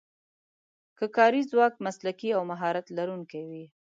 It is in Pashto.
که کاري ځواک مسلکي او مهارت لرونکی وي.